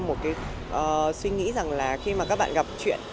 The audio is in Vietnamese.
một cái suy nghĩ rằng là khi mà các bạn gặp chuyện